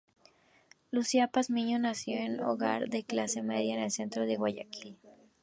Lucía Pazmiño nació en un hogar de clase media en el centro de Guayaquil.